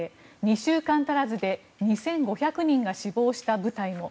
２週間足らずで２５００人が死亡した部隊も。